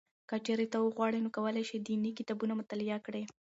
که چېرې ته وغواړې نو کولای شې دیني کتابونه مطالعه کړې.